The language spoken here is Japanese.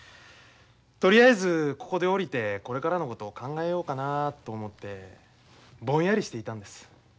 とりあえずここで降りてこれからのことを考えようかなと思ってぼんやりしていたんです。